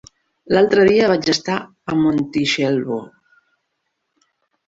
L'altre dia vaig estar a Montitxelvo.